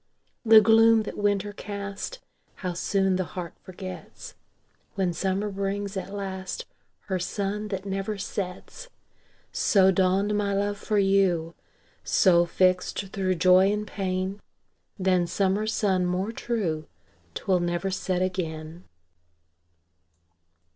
The gloom that winter cast, How soon the heart forgets, When summer brings, at last, Her sun that never sets! So dawned my love for you; So, fixt thro' joy and pain, Than summer sun more true, 'Twill never set again.